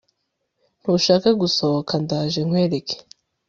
ntushaka gusohoka ndaje nkwereke